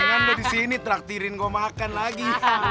kanan lo disini traktirin gue makan lagi